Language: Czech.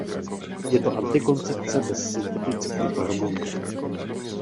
Je to antikoncepce bez syntetických hormonů.